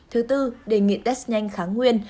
thứ tư đề nghị test nhanh kháng nguyên